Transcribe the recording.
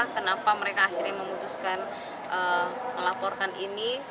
kenapa mereka akhirnya memutuskan melaporkan ini